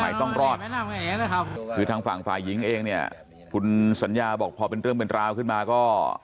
ไฟไหมต้องรอดฟางฟ่ายหญิงเองเนี่ยคุณสัญญาบอกพอเป็นเรื่องเป็นราวขึ้นมาก็